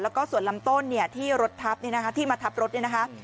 แล้วก็ส่วนลำต้นที่มาทับรถนี่นะคะ